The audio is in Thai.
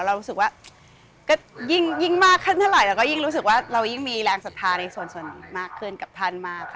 เรารู้สึกว่าก็ยิ่งมากขึ้นเท่าไหร่เราก็ยิ่งรู้สึกว่าเรายิ่งมีแรงศรัทธาในส่วนนี้มากขึ้นกับท่านมากค่ะ